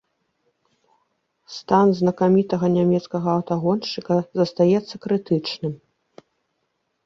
Стан знакамітага нямецкага аўтагоншчыка застаецца крытычным.